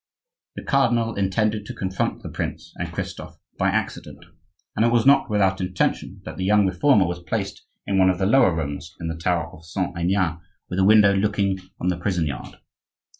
The cardinal intended to confront the prince and Christophe by accident; and it was not without intention that the young Reformer was placed in one of the lower rooms in the tower of Saint Aignan, with a window looking on the prison yard.